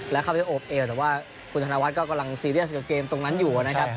แล้วเข้าไปโอบเอวแต่ว่าคุณธนวัฒน์ก็กำลังซีเรียสกับเกมตรงนั้นอยู่นะครับ